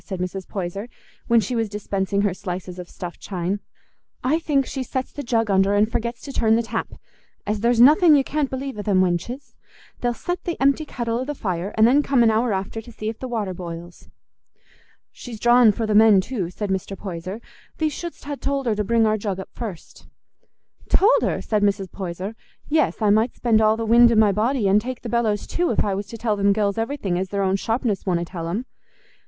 said Mrs. Poyser, when she was dispensing her slices of stuffed chine. "I think she sets the jug under and forgets to turn the tap, as there's nothing you can't believe o' them wenches: they'll set the empty kettle o' the fire, and then come an hour after to see if the water boils." "She's drawin' for the men too," said Mr. Poyser. "Thee shouldst ha' told her to bring our jug up first." "Told her?" said Mrs. Poyser. "Yes, I might spend all the wind i' my body, an' take the bellows too, if I was to tell them gells everything as their own sharpness wonna tell 'em.